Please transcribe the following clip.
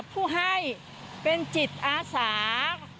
คุณประสิทธิ์ทราบรึเปล่าคะว่า